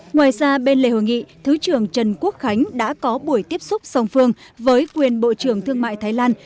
ngoài ra bên lề hội nghị thứ trưởng trần quốc khánh đã có buổi tiếp xúc song phương với quyền bộ trưởng thương mại thái lan